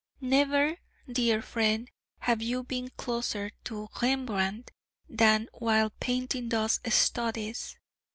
Never, dear friend, have you been closer to Rembrandt than while painting those studies.